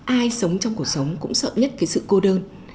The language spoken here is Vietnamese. ai sống trong cuộc sống cũng sợ nhất cái sự cô đơn